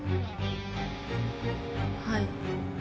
はい。